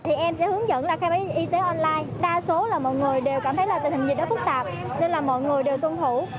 thì em sẽ hướng dẫn là khai báo y tế online đa số là mọi người đều cảm thấy là tình hình dịch phức tạp nên là mọi người đều tuân thủ